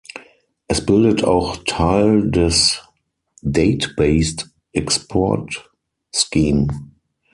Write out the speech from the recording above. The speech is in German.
Es bildet auch Teil des Date-Based Export Scheme.